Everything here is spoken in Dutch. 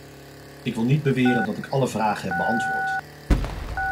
Ik wil niet beweren dat ik alle vragen heb beantwoord.